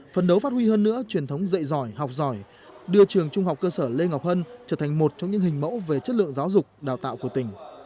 phần đấu phát huy hơn nữa truyền thống dạy giỏi học giỏi đưa trường trung học cơ sở lê ngọc hân trở thành một trong những hình mẫu về chất lượng giáo dục đào tạo của tỉnh